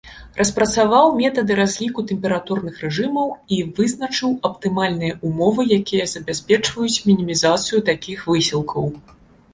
Распрацаваў метады разліку тэмпературных рэжымаў і вызначыў аптымальныя ўмовы, якія забяспечваюць мінімізацыю такіх высілкаў.